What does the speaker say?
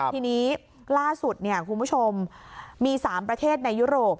ทีนี้ล่าสุดคุณผู้ชมมี๓ประเทศในยุโรป